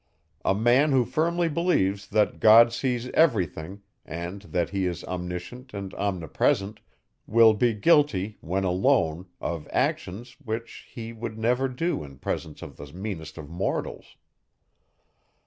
A man who firmly believes, that God sees every thing, and that he is omniscient and omnipresent, will be guilty, when alone, of actions, which he would never do in presence of the meanest of mortals.